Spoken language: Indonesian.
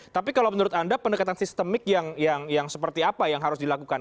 tapi kalau menurut anda pendekatan sistemik yang seperti apa yang harus dilakukan